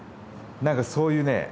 なんかそういうね